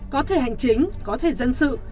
có thể hành chính có thể dân sự